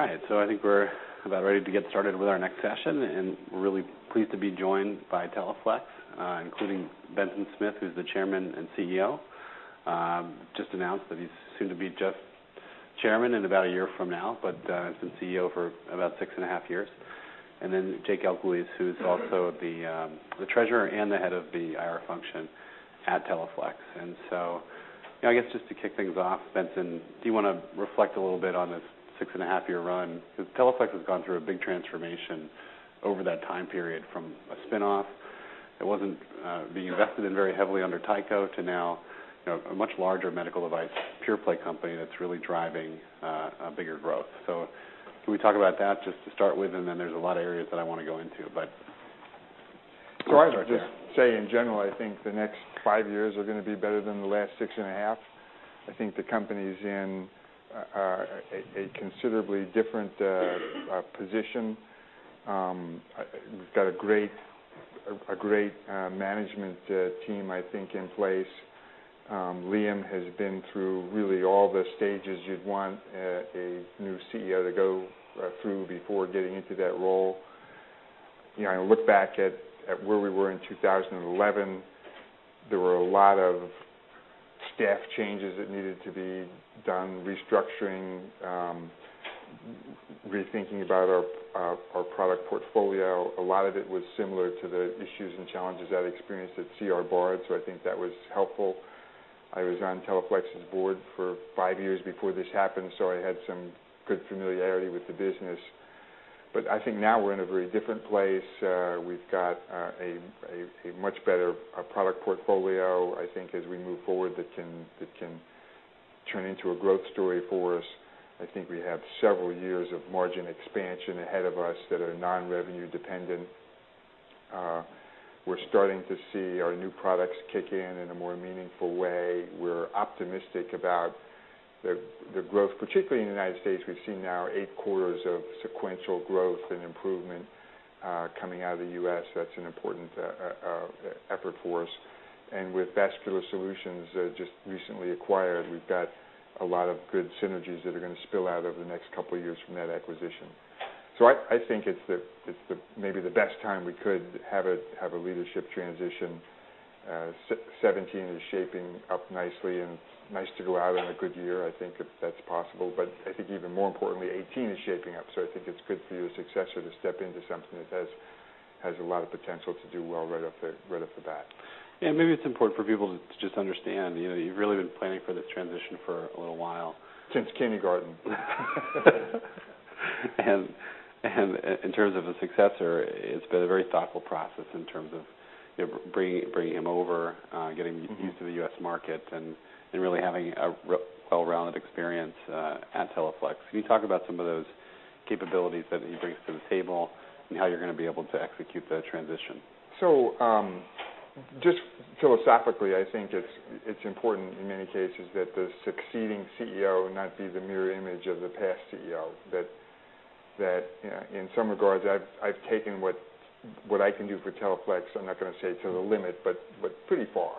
All right. I think we're about ready to get started with our next session, and we're really pleased to be joined by Teleflex, including Benson Smith, who's the Chairman and CEO. Just announced that he's soon to be just Chairman in about a year from now, but has been CEO for about six and a half years. Jake Elguicze, who's also the Treasurer and the Head of the IR function at Teleflex. I guess just to kick things off, Benson, do you want to reflect a little bit on this six-and-a-half-year run? Teleflex has gone through a big transformation over that time period from a spinoff that wasn't being invested in very heavily under Tyco to now a much larger medical device pure play company that's really driving bigger growth. Can we talk about that just to start with? There's a lot of areas that I want to go into, but start there. I'd just say in general, I think the next five years are going to be better than the last six and a half. I think the company's in a considerably different position. We've got a great management team, I think, in place. Liam has been through really all the stages you'd want a new CEO to go through before getting into that role. I look back at where we were in 2011, there were a lot of staff changes that needed to be done, restructuring, rethinking about our product portfolio. A lot of it was similar to the issues and challenges I'd experienced at C.R. Bard, so I think that was helpful. I was on Teleflex's board for five years before this happened, so I had some good familiarity with the business. I think now we're in a very different place. We've got a much better product portfolio, I think as we move forward that can turn into a growth story for us. I think we have several years of margin expansion ahead of us that are non-revenue dependent. We're starting to see our new products kick in in a more meaningful way. We're optimistic about the growth, particularly in the United States. We've seen now eight quarters of sequential growth and improvement coming out of the U.S. That's an important effort for us. With Vascular Solutions just recently acquired, we've got a lot of good synergies that are going to spill out over the next couple of years from that acquisition. I think it's maybe the best time we could have a leadership transition. 2017 is shaping up nicely and nice to go out on a good year, I think if that's possible. I think even more importantly, 2018 is shaping up. I think it's good for your successor to step into something that has a lot of potential to do well right off the bat. Maybe it's important for people to just understand, you've really been planning for this transition for a little while. Since kindergarten. In terms of a successor, it's been a very thoughtful process in terms of bringing him over, getting him used to the U.S. market, and really having a well-rounded experience at Teleflex. Can you talk about some of those capabilities that he brings to the table, and how you're going to be able to execute that transition? Just philosophically, I think it's important in many cases that the succeeding CEO not be the mirror image of the past CEO, that in some regards, I've taken what I can do for Teleflex, I'm not going to say to the limit, but pretty far.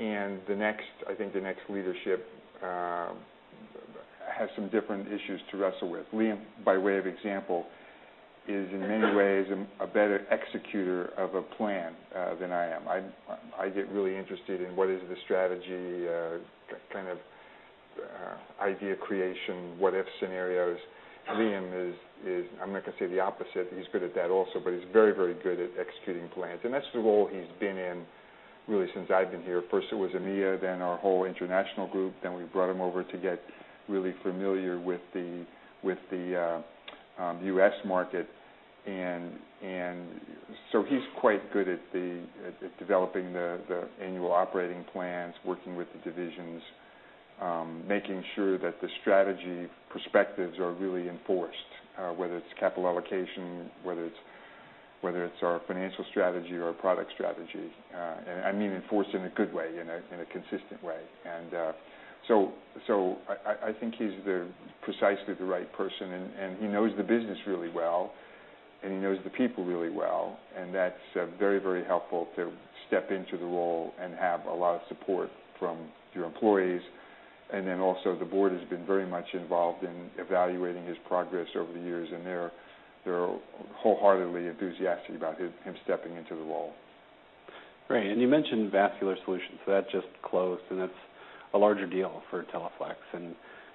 I think the next leadership has some different issues to wrestle with. Liam, by way of example, is in many ways a better executor of a plan than I am. I get really interested in what is the strategy, kind of idea creation, what if scenarios. Liam is, I'm not going to say the opposite. He's good at that also, but he's very good at executing plans, and that's the role he's been in really since I've been here. First it was EMEA, then our whole international group, then we brought him over to get really familiar with the U.S. market, he's quite good at developing the annual operating plans, working with the divisions, making sure that the strategy perspectives are really enforced, whether it's capital allocation, whether it's our financial strategy or our product strategy. I mean enforced in a good way, in a consistent way. I think he's precisely the right person, and he knows the business really well, and he knows the people really well, and that's very helpful to step into the role and have a lot of support from your employees. Also the board has been very much involved in evaluating his progress over the years, and they're wholeheartedly enthusiastic about him stepping into the role. Great. You mentioned Vascular Solutions. That just closed, and that's a larger deal for Teleflex, and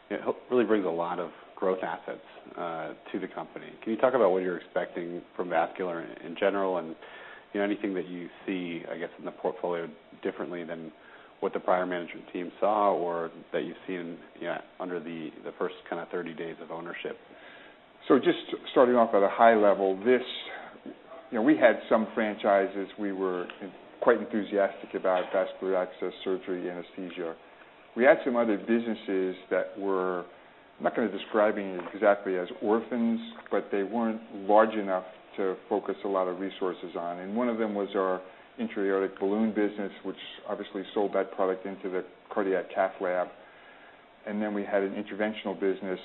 it really brings a lot of growth assets to the company. Can you talk about what you're expecting from Vascular in general, and anything that you see, I guess, in the portfolio differently than what the prior management team saw or that you've seen under the first kind of 30 days of ownership? Just starting off at a high level, we had some franchises we were quite enthusiastic about, vascular access, surgery, anesthesia. We had some other businesses that were, I'm not going to describe any exactly as orphans, but they weren't large enough to focus a lot of resources on, and one of them was our intra-aortic balloon business, which obviously sold that product into the cardiac cath lab. We had an interventional business,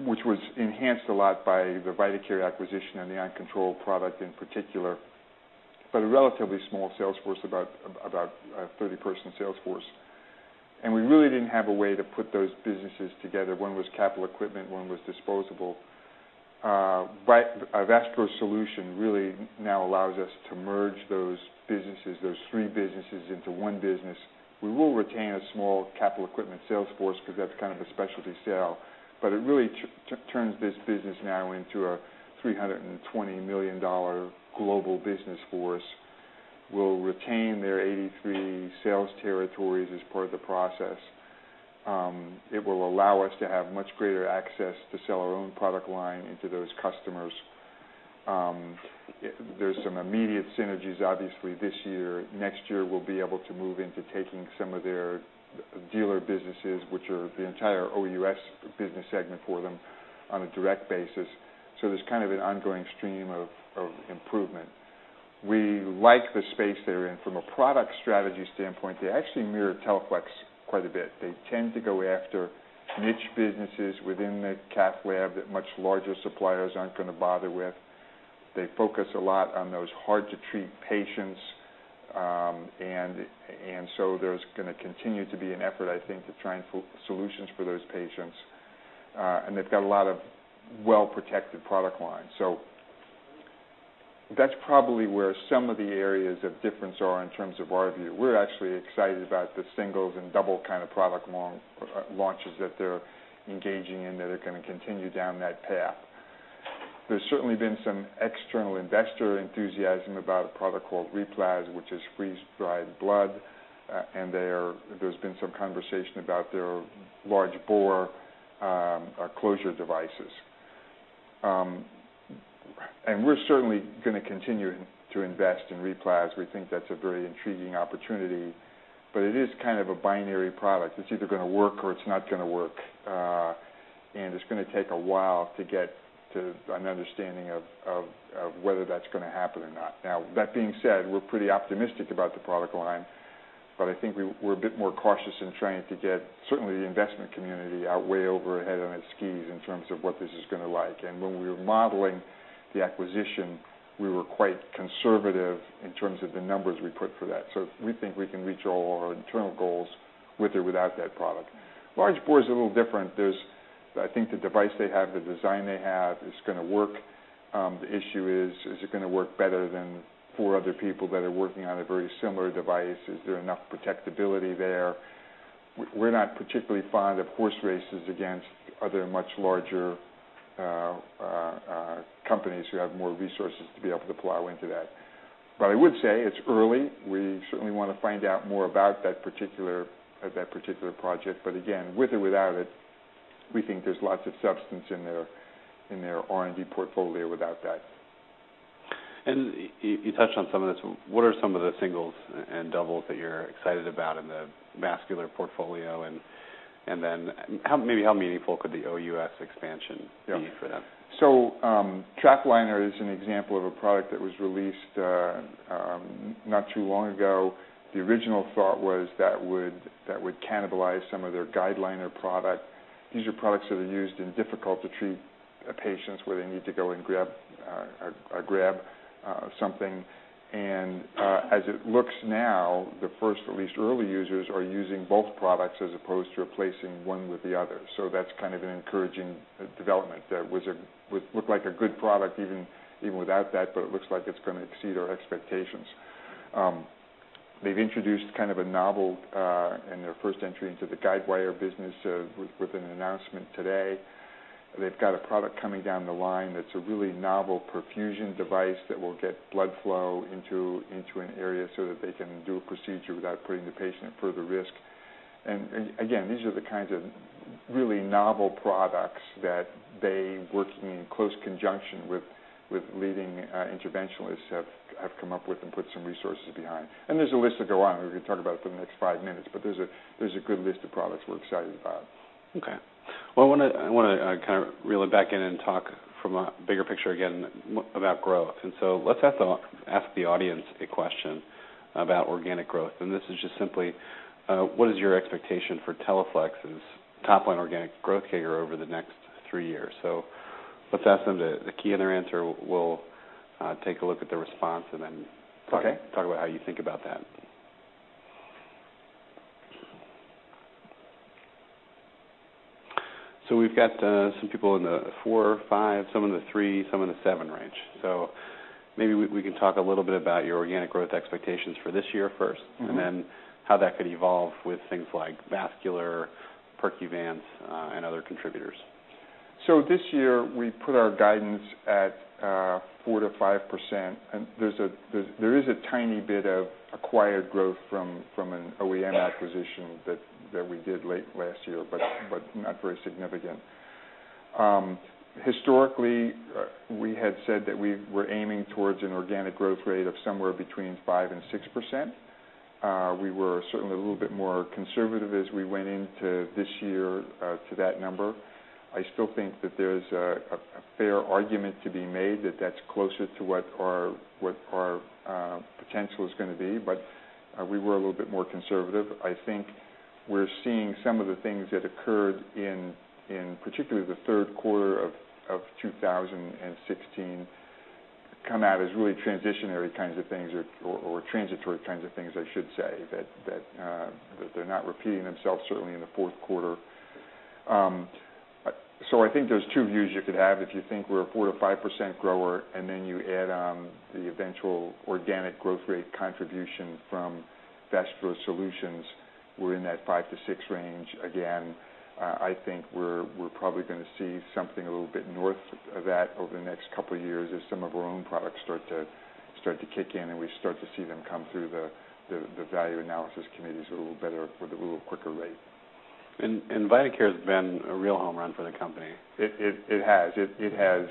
which was enhanced a lot by the Vidacare acquisition and the OnControl product in particular. A relatively small sales force, about a 30-person sales force. Vascular Solutions really now allows us to merge those three businesses into one business. We will retain a small capital equipment sales force because that's kind of a specialty sale, but it really turns this business now into a $320 million global business force. We'll retain their 83 sales territories as part of the process. It will allow us to have much greater access to sell our own product line into those customers. There's some immediate synergies, obviously, this year. Next year, we'll be able to move into taking some of their dealer businesses, which are the entire OUS business segment for them, on a direct basis. There's kind of an ongoing stream of improvement. We like the space they're in. From a product strategy standpoint, they actually mirror Teleflex quite a bit. They tend to go after niche businesses within the cath lab that much larger suppliers aren't going to bother with. They focus a lot on those hard-to-treat patients. There's going to continue to be an effort, I think, to try and find solutions for those patients. They've got a lot of well-protected product lines. That's probably where some of the areas of difference are in terms of our view. We're actually excited about the singles and double kind of product launches that they're engaging in, that are going to continue down that path. There's certainly been some external investor enthusiasm about a product called RePlas, which is freeze-dried blood, and there's been some conversation about their large bore closure devices. We're certainly going to continue to invest in RePlas. We think that's a very intriguing opportunity, but it is kind of a binary product. It's either going to work or it's not going to work. It's going to take a while to get to an understanding of whether that's going to happen or not. Now, that being said, we're pretty optimistic about the product line, but I think we're a bit more cautious in trying to get certainly the investment community out way over ahead on its skis in terms of what this is going to like. When we were modeling the acquisition, we were quite conservative in terms of the numbers we put for that. We think we can reach all our internal goals with or without that product. Large bore is a little different. I think the device they have, the design they have is going to work. The issue is it going to work better than four other people that are working on a very similar device? Is there enough protectability there? We're not particularly fond of horse races against other much larger companies who have more resources to be able to plow into that. I would say it's early. We certainly want to find out more about that particular project. Again, with or without it, we think there's lots of substance in their R&D portfolio without that. You touched on some of this. What are some of the singles and doubles that you're excited about in the vascular portfolio, and then maybe how meaningful could the OUS expansion be for them? TrapLiner is an example of a product that was released not too long ago. The original thought was that would cannibalize some of their GuideLiner product. These are products that are used in difficult-to-treat patients, where they need to go and grab something. As it looks now, the first released early users are using both products as opposed to replacing one with the other. That's kind of an encouraging development that would look like a good product even without that, but it looks like it's going to exceed our expectations. They've introduced kind of a novel in their first entry into the guidewire business with an announcement today. They've got a product coming down the line that's a really novel perfusion device that will get blood flow into an area so that they can do a procedure without putting the patient at further risk. Again, these are the kinds of really novel products that they, working in close conjunction with leading interventionalists, have come up with and put some resources behind. There's a list to go on. We could talk about it for the next five minutes, but there's a good list of products we're excited about. Okay. I want to kind of reel it back in and talk from a bigger picture again about growth. Let's ask the audience a question about organic growth. This is just simply, what is your expectation for Teleflex's top line organic growth CAGR over the next three years? Let's ask them that. The key in their answer, we'll take a look at the response and then. Okay Talk about how you think about that. We've got some people in the four, five, some in the three, some in the seven range. Maybe we can talk a little bit about your organic growth expectations for this year first. How that could evolve with things like vascular, Percuvance, and other contributors. This year we put our guidance at 4% to 5%, and there is a tiny bit of acquired growth from an OEM acquisition that we did late last year, but not very significant. Historically, we had said that we were aiming towards an organic growth rate of somewhere between 5% and 6%. We were certainly a little bit more conservative as we went into this year to that number. I still think that there's a fair argument to be made that that's closer to what our potential is going to be, but we were a little bit more conservative. We're seeing some of the things that occurred in particularly the third quarter of 2016 come out as really transitionary kinds of things or transitory kinds of things, I should say. They're not repeating themselves certainly in the fourth quarter. I think there's two views you could have. If you think we're a 4% to 5% grower and then you add on the eventual organic growth rate contribution from Vascular Solutions, we're in that 5% to 6% range again. I think we're probably going to see something a little bit north of that over the next couple of years as some of our own products start to kick in and we start to see them come through the Value Analysis Committees a little better with a little quicker rate. Vidacare's been a real home run for the company. It has. It has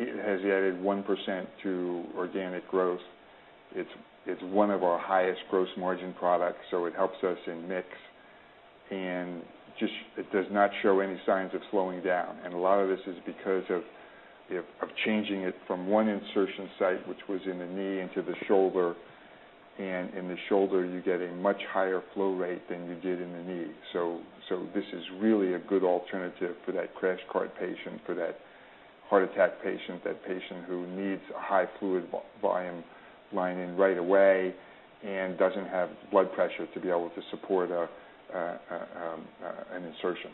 added 1% to organic growth. It's one of our highest gross margin products, so it helps us in mix, and it does not show any signs of slowing down. A lot of this is because of changing it from one insertion site, which was in the knee, into the shoulder, and in the shoulder, you get a much higher flow rate than you did in the knee. This is really a good alternative for that crash cart patient, for that heart attack patient, that patient who needs a high fluid volume line in right away and doesn't have blood pressure to be able to support an insertion.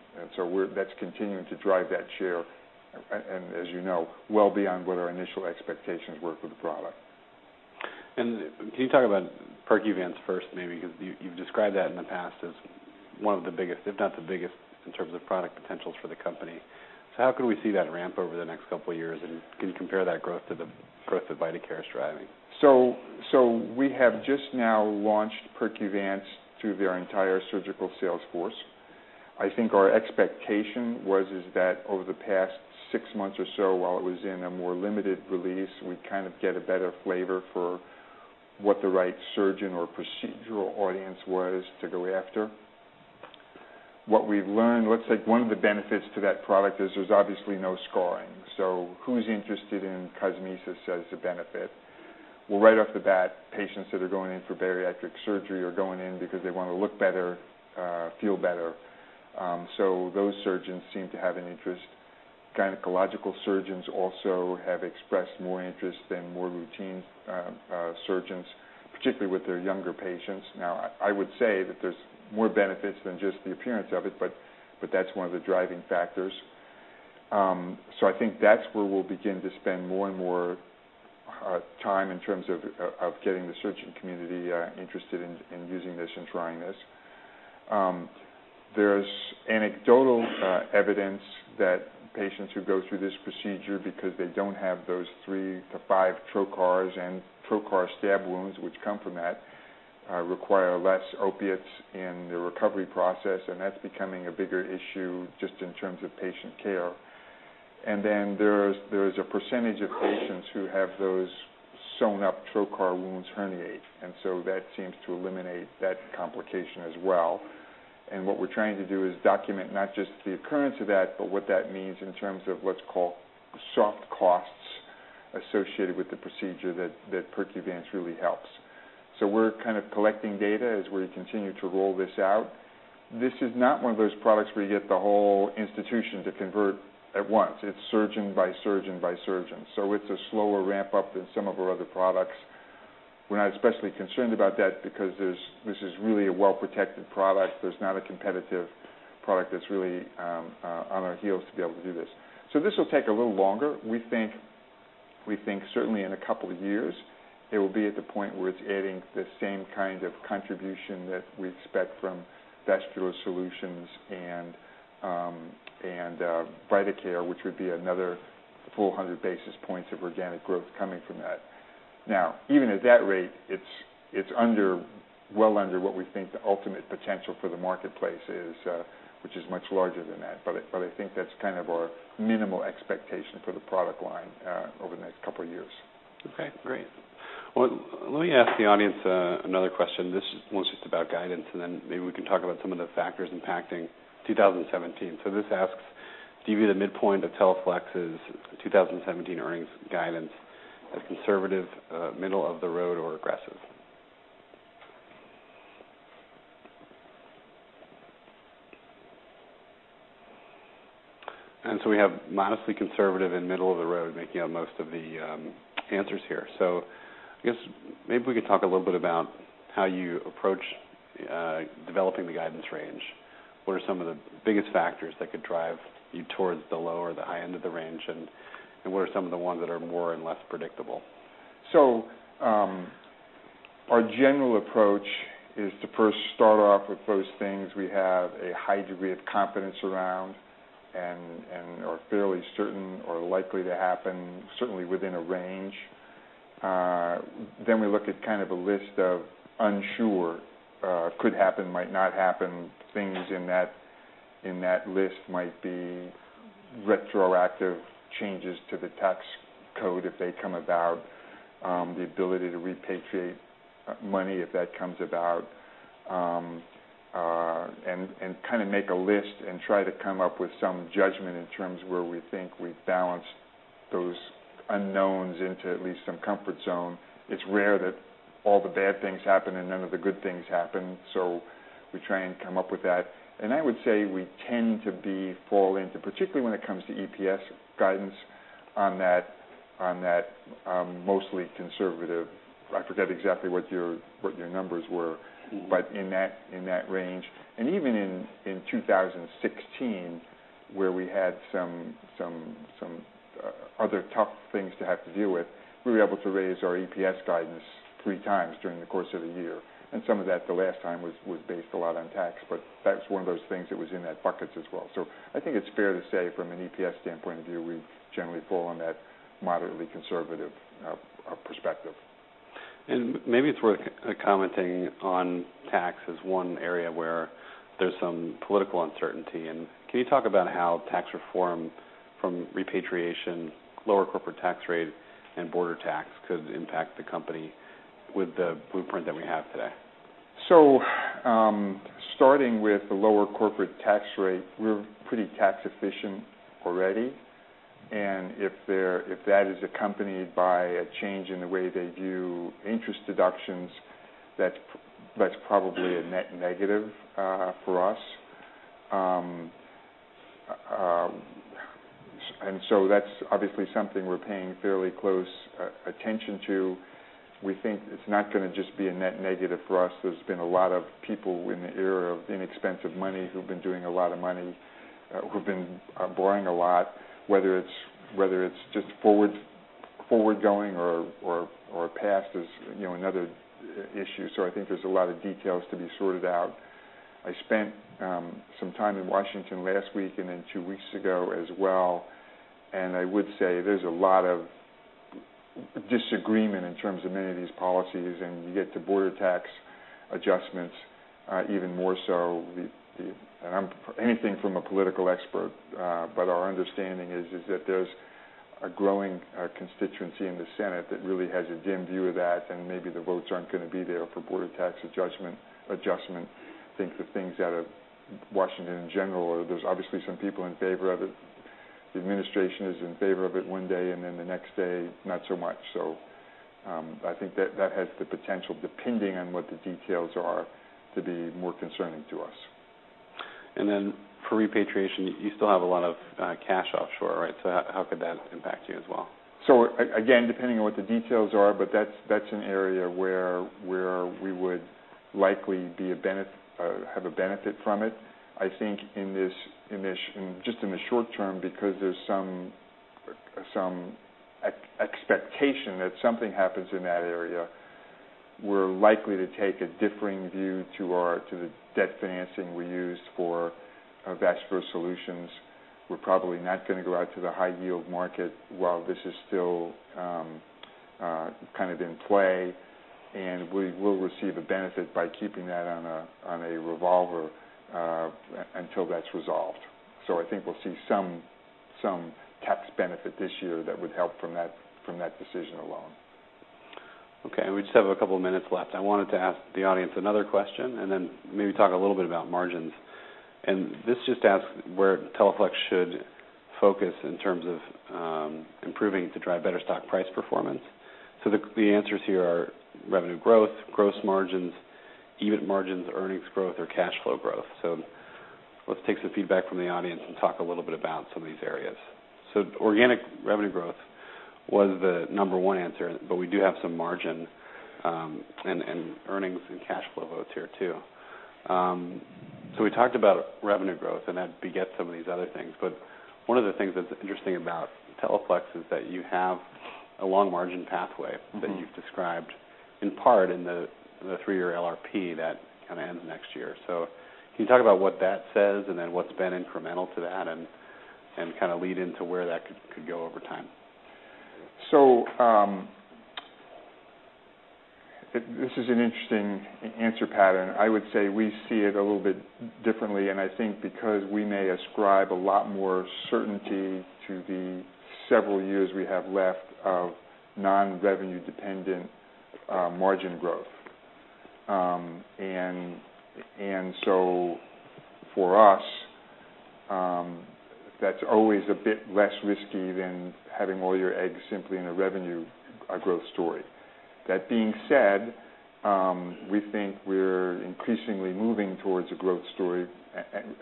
That's continuing to drive that share, and as you know, well beyond what our initial expectations were for the product. Can you talk about Percuvance first maybe? Because you've described that in the past as one of the biggest, if not the biggest, in terms of product potentials for the company. How can we see that ramp over the next couple of years, and can you compare that growth to the growth that Vidacare is driving? We have just now launched Percuvance through their entire surgical sales force. I think our expectation was is that over the past six months or so, while it was in a more limited release, we'd kind of get a better flavor for what the right surgeon or procedural audience was to go after. What we've learned, let's say one of the benefits to that product is there's obviously no scarring. Who's interested in cosmesis as a benefit? Well, right off the bat, patients that are going in for bariatric surgery are going in because they want to look better, feel better. Those surgeons seem to have an interest. Gynecological surgeons also have expressed more interest than more routine surgeons, particularly with their younger patients. I would say that there's more benefits than just the appearance of it, but that's one of the driving factors. I think that's where we'll begin to spend more and more time in terms of getting the surgeon community interested in using this and trying this. There's anecdotal evidence that patients who go through this procedure, because they don't have those 3-5 trocars and trocar stab wounds which come from that, require less opiates in the recovery process, and that's becoming a bigger issue just in terms of patient care. Then there's a percentage of patients who have those sewn-up trocar wounds herniate, and so that seems to eliminate that complication as well. What we're trying to do is document not just the occurrence of that, but what that means in terms of what's called soft costs associated with the procedure that Percuvance really helps. We're kind of collecting data as we continue to roll this out. This is not one of those products where you get the whole institution to convert at once. It's surgeon by surgeon by surgeon. It's a slower ramp-up than some of our other products. We're not especially concerned about that because this is really a well-protected product. There's not a competitive product that's really on our heels to be able to do this. This will take a little longer. We think certainly in a couple of years, it will be at the point where it's adding the same kind of contribution that we expect from Vascular Solutions and Vidacare, which would be another 400 basis points of organic growth coming from that. Even at that rate, it's well under what we think the ultimate potential for the marketplace is, which is much larger than that. I think that's kind of our minimal expectation for the product line over the next couple of years. Okay. Great. Let me ask the audience another question. This one's just about guidance, and then maybe we can talk about some of the factors impacting 2017. This asks, "Do you view the midpoint of Teleflex's 2017 earnings guidance as conservative, middle of the road, or aggressive?" We have modestly conservative and middle of the road making up most of the answers here. I guess maybe we could talk a little bit about how you approach developing the guidance range. What are some of the biggest factors that could drive you towards the low or the high end of the range, and what are some of the ones that are more and less predictable? Our general approach is to first start off with those things we have a high degree of confidence around and are fairly certain or likely to happen, certainly within a range. We look at kind of a list of unsure, could happen, might not happen. Things in that list might be retroactive changes to the tax code if they come about, the ability to repatriate money if that comes about, and kind of make a list and try to come up with some judgment in terms of where we think we've balanced those unknowns into at least some comfort zone. It's rare that all the bad things happen and none of the good things happen, so we try and come up with that. I would say we tend to fall into, particularly when it comes to EPS guidance on that, mostly conservative. I forget exactly what your numbers were. In that range. Even in 2016, where we had some other tough things to have to deal with, we were able to raise our EPS guidance three times during the course of the year. Some of that, the last time, was based a lot on tax, but that's one of those things that was in that bucket as well. I think it's fair to say from an EPS standpoint of view, we generally fall on that moderately conservative perspective. Maybe it's worth commenting on tax as one area where there's some political uncertainty. Can you talk about how tax reform from repatriation, lower corporate tax rate, and border tax could impact the company with the blueprint that we have today? Starting with the lower corporate tax rate, we're pretty tax efficient already, and if that is accompanied by a change in the way they do interest deductions, that's probably a net negative for us. That's obviously something we're paying fairly close attention to. We think it's not going to just be a net negative for us. There's been a lot of people in the era of inexpensive money who've been doing a lot of money, who've been borrowing a lot, whether it's just forward going or past is another issue. I think there's a lot of details to be sorted out. I spent some time in Washington last week, and then two weeks ago as well, and I would say there's a lot of disagreement in terms of many of these policies. You get to border tax adjustments, even more so. I'm anything from a political expert, but our understanding is that there's a growing constituency in the Senate that really has a dim view of that, and maybe the votes aren't going to be there for border tax adjustment. I think the things out of Washington in general are there's obviously some people in favor of it. The administration is in favor of it one day, and then the next day, not so much. I think that has the potential, depending on what the details are, to be more concerning to us. For repatriation, you still have a lot of cash offshore, right? How could that impact you as well? Again, depending on what the details are, but that's an area where we would likely have a benefit from it. I think just in the short term, because there's some expectation that something happens in that area. We're likely to take a differing view to the debt financing we used for Vascular Solutions. We're probably not going to go out to the high yield market while this is still kind of in play, and we will receive a benefit by keeping that on a revolver until that's resolved. I think we'll see some tax benefit this year that would help from that decision alone. Okay, we just have a couple minutes left. I wanted to ask the audience another question and then maybe talk a little bit about margins. This just asks where Teleflex should focus in terms of improving to drive better stock price performance. The answers here are revenue growth, gross margins, EBIT margins, earnings growth or cash flow growth. Let's take some feedback from the audience and talk a little bit about some of these areas. Organic revenue growth was the number one answer, but we do have some margin, and earnings and cash flow votes here too. We talked about revenue growth, and that begets some of these other things, but one of the things that's interesting about Teleflex is that you have a long margin pathway- that you've described in part in the three-year LRP that kind of ends next year. Can you talk about what that says and then what's been incremental to that, and kind of lead into where that could go over time? This is an interesting answer pattern. I would say we see it a little bit differently, and I think because we may ascribe a lot more certainty to the several years we have left of non-revenue dependent margin growth. For us, that's always a bit less risky than having all your eggs simply in a revenue growth story. That being said, we think we're increasingly moving towards a growth story,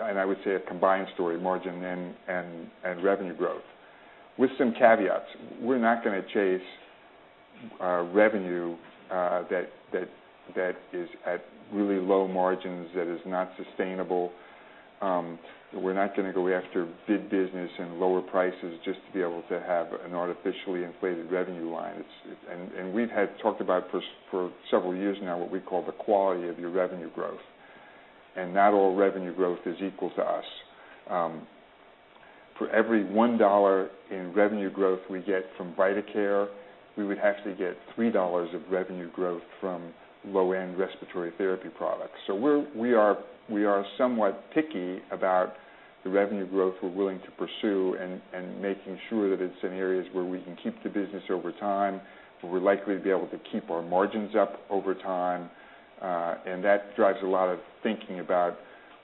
and I would say a combined story, margin and revenue growth, with some caveats. We're not going to chase revenue that is at really low margins, that is not sustainable. We're not going to go after big business and lower prices just to be able to have an artificially inflated revenue line. We've had talked about for several years now what we call the quality of your revenue growth, and not all revenue growth is equal to us. For every $1 in revenue growth we get from Vidacare, we would actually get $3 of revenue growth from low-end respiratory therapy products. We are somewhat picky about the revenue growth we're willing to pursue, and making sure that it's in areas where we can keep the business over time, where we're likely to be able to keep our margins up over time. That drives a lot of thinking about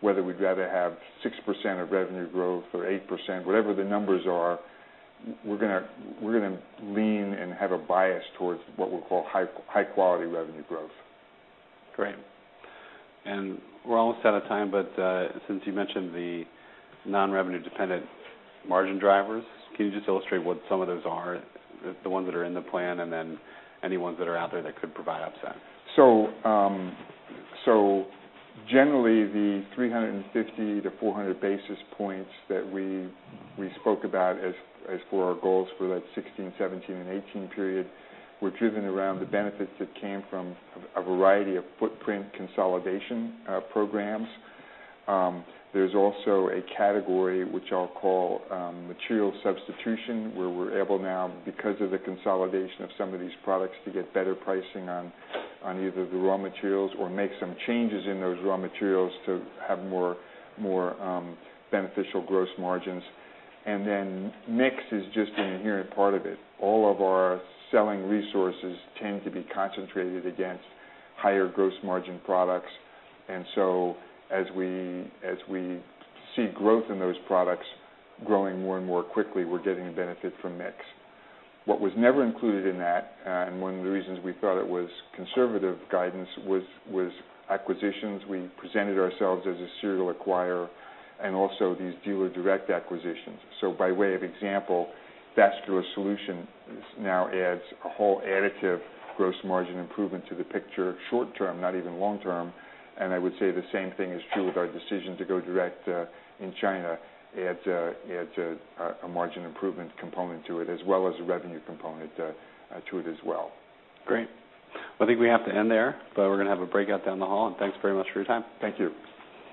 whether we'd rather have 6% of revenue growth or 8%, whatever the numbers are, we're going to lean and have a bias towards what we'll call high-quality revenue growth. Great. We're almost out of time, since you mentioned the non-revenue dependent margin drivers, can you just illustrate what some of those are, the ones that are in the plan, and then any ones that are out there that could provide upside? Generally, the 350 to 400 basis points that we spoke about as for our goals for that 2016, 2017, and 2018 period were driven around the benefits that came from a variety of footprint consolidation programs. There's also a category which I'll call material substitution, where we're able now, because of the consolidation of some of these products, to get better pricing on either the raw materials or make some changes in those raw materials to have more beneficial gross margins. Then mix is just an inherent part of it. All of our selling resources tend to be concentrated against higher gross margin products. As we see growth in those products growing more and more quickly, we're getting a benefit from mix. What was never included in that, and one of the reasons we thought it was conservative guidance, was acquisitions. We presented ourselves as a serial acquirer and also these dealer direct acquisitions. By way of example, Vascular Solutions now adds a whole additive gross margin improvement to the picture short-term, not even long-term. I would say the same thing is true with our decision to go direct in China. It adds a margin improvement component to it, as well as a revenue component to it as well. Great. I think we have to end there, we're going to have a breakout down the hall. Thanks very much for your time. Thank you.